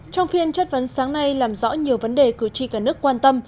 trong phiên chất vấn sáng nay làm rõ nhiều vấn đề cử tri cả nước quan tâm